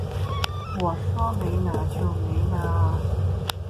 我说没拿就没拿啊